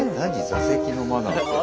座席のマナーって。